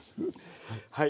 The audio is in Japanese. はい。